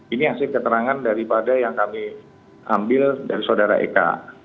ini hasil keterangan daripada yang kami ambil dari saudara eka